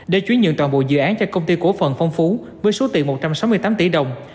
để chuyển nhận toàn bộ dự án cho công ty cổ phần phong phú với số tiền một trăm sáu mươi tám tỷ đồng